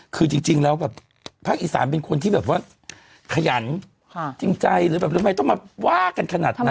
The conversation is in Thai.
คือจริงแล้วแบบภาคอีสานเป็นคนที่แบบว่าขยันจริงใจหรือแบบทำไมต้องมาว่ากันขนาดนั้น